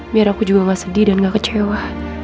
biar aku juga gak sedih dan gak kecewa